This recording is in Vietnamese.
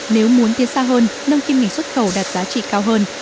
nếu muốn tiến xa hơn nâng kim ngạch xuất khẩu đạt giá trị cao hơn